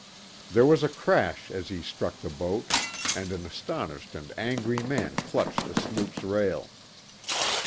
There was a crash as he struck the boat, and an astonished and angry man clutched the sloop's rail.